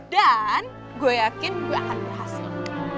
gue yakin gue akan berhasil